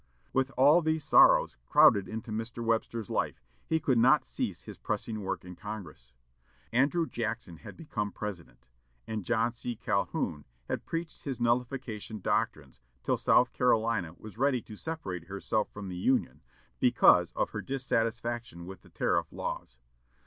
With all these sorrows crowded into Mr. Webster's life, he could not cease his pressing work in Congress. Andrew Jackson had become President, and John C. Calhoun had preached his Nullification doctrines till South Carolina was ready to separate herself from the Union, because of her dissatisfaction with the tariff laws.